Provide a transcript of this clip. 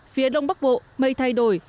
phía đông bắc bộ mây thay đổi